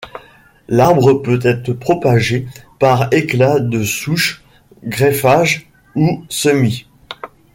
L'arbre peut être propagé par éclats de souche, greffage ou semis.